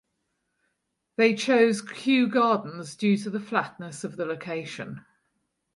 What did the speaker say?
They chose Kew Gardens due to the flatness of the location.